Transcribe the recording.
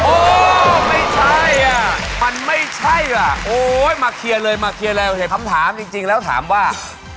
โอ้ไม่ใช่อ่ะมันไม่ใช่ล่ะโอ้ยมาเคลียร์เลยมาเคลียร์แล้วเห็นคำถามจริงแล้วถามว่า